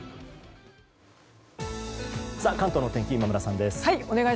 関東の天気今村さんです。